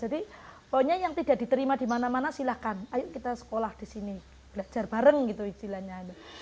jadi pokoknya yang tidak diterima di mana mana silahkan ayo kita sekolah di sini belajar bareng gitu istilahnya